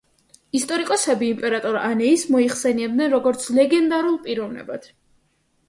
ისტორიკოსები იმპერატორ ანეის მოიხსენიებენ, როგორც ლეგენდალურ პიროვნებად.